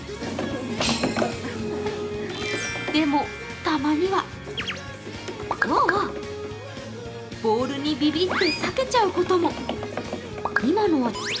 でも、たまにはボールにビビって避けちゃうことも。